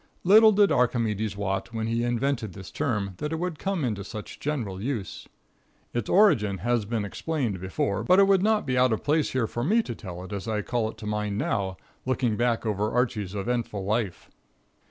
Little did Archimedes wot, when he invented this term, that it would come into such general use. Its origin has been explained before, but it would not be out of place here for me to tell it as I call it to mind now, looking back over Archie's eventful life.